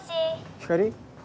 ひかり？